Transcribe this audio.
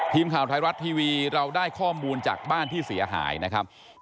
ทีมข่าวไทยรัฐทีวีเราได้ข้อมูลจากบ้านที่เสียหายนะครับ